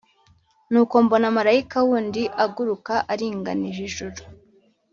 Nuko mbona Marayika wundi aguruka aringanije ijuru,